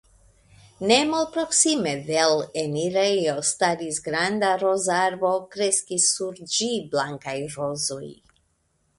Ne malproksime de l enirejo staris granda rozarbo; kreskis sur ĝi blankaj rozoj.